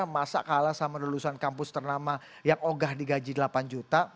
masa kalah sama lulusan kampus ternama yang ogah di gaji delapan juta